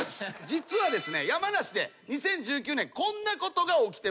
実はですね山梨で２０１９年こんなことが起きてました。